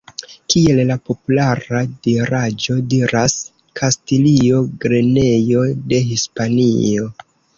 Kiel la populara diraĵo diras: "Kastilio, grenejo de Hispanio".